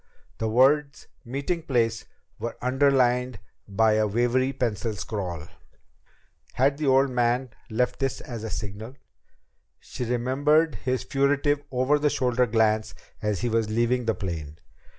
The words "meeting place" were underlined by a wavery pencil scrawl! Had the old man left this as a signal? She remembered his furtive over the shoulder glance as he was leaving the plane.